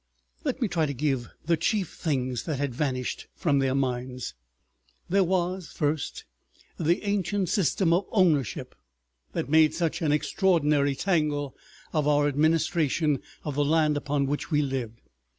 Let me try to give the chief things that had vanished from their minds. There was, first, the ancient system of "ownership" that made such an extraordinary tangle of our administration of the land upon which we lived.